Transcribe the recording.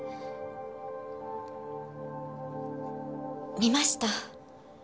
見ました。